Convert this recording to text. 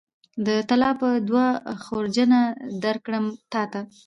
د طلا به دوه خورجینه درکړم تاته